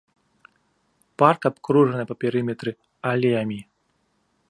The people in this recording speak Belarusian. Парк абкружаны па перыметры алеямі.